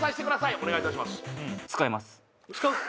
お願いいたします使う？